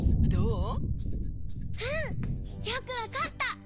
うん！よくわかった！